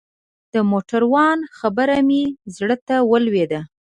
د موټروان خبره مې زړه ته ولوېده.